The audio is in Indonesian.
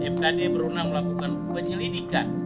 mkd berundang melakukan penyelidikan